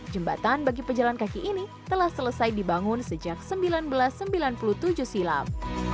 jembatan bagi pejalan kaki ini telah selesai dibangun sejak seribu sembilan ratus sembilan puluh tujuh silam